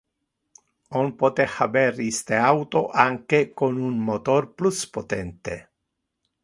On pote haber iste auto anque con un motor plus potente.